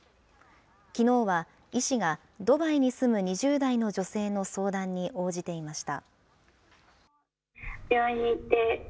きのうは、医師がドバイに住む２０代の女性の相談に応じていました。